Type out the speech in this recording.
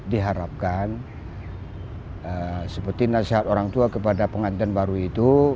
diharapkan seperti nasihat orang tua kepada pengantin baru itu